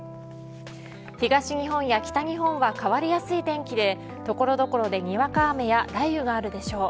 東日本や北日本は変わりやすい天気で所々でにわか雨や雷雨があるでしょう。